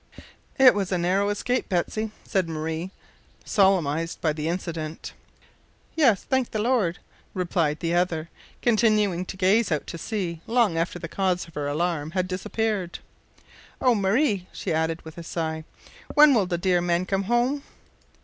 "It was a narrow escape, Betsy," said Marie, solemnised by the incident. "Yes, thank the Lord," replied the other, continuing to gaze out to sea long after the cause of her alarm had disappeared. "Oh! Marie," she added, with a sigh, "when will the dear men come home?"